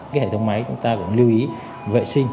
cái hệ thống máy chúng ta cũng lưu ý vệ sinh